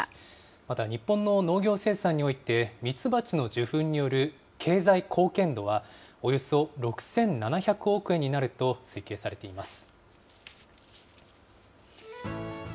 また、日本の農業生産において、ミツバチの受粉による経済貢献度は、およそ６７００億円になると推計されています。